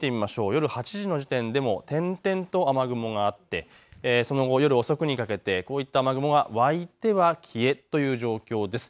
夜８時の時点で点々と雨雲があってその後、夜遅くにかけてこういった雨雲が湧いては消えという状況です。